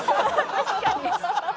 確かに！